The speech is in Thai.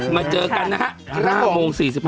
มาเจอกันนะครับ